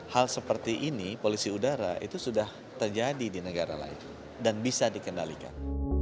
hal seperti ini polusi udara itu sudah terjadi di negara lain dan bisa dikendalikan